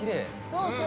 そうそう